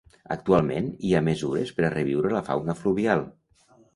Actualment, hi ha mesures per a reviure la fauna fluvial.